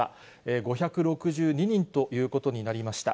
５６２人ということになりました。